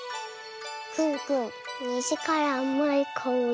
くんくんにじからあまいかおり。